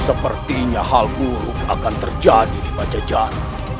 sepertinya hal buruk akan terjadi di pajajar